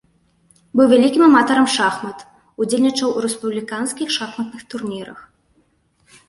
Быў вялікім аматарам шахмат, удзельнічаў у рэспубліканскіх шахматных турнірах.